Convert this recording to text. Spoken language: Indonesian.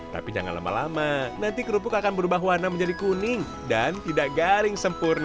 tapi jangan lama lama nanti kerupuk akan berubah warna menjadi kuning dan tidak garing sempurna